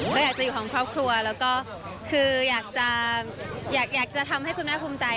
ก็อยากจะอยู่ของครอบครัวแล้วก็คืออยากจะอยากจะทำให้คุณแม่ภูมิใจ